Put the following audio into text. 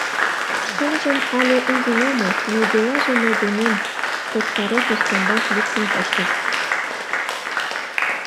— Шкенжым але ужын омыл, но делаже мый денем, — Токтаров ӱстембак луктын пыштыш.